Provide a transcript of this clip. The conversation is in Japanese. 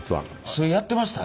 それやってました？